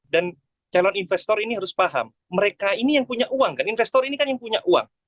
dan calon investor ini harus paham mereka ini yang punya uang kan investor ini kan yang punya uang